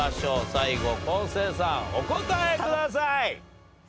最後昴生さんお答えください。